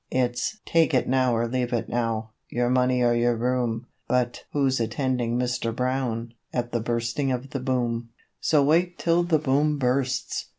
It's 'Take it now or leave it now;' 'your money or your room;' But 'Who's attending Mr. Brown?' at the Bursting of the Boom. So wait till the Boom bursts!